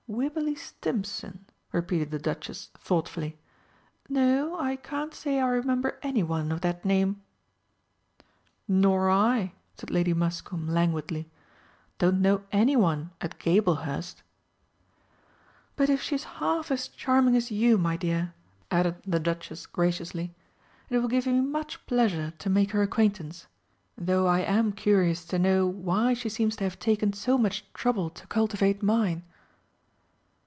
"Wibberley Stimpson?" repeated the Duchess thoughtfully. "No, I can't say I remember anyone of that name." "Nor I," said Lady Muscombe languidly. "Don't know any one at Gablehurst." "But if she is half as charming as you, my dear," added the Duchess graciously, "it will give me much pleasure to make her acquaintance, though I am curious to know why she seems to have taken so much trouble to cultivate mine."